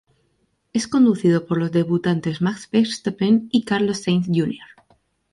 Es conducido por los debutantes Max Verstappen y Carlos Sainz Jr.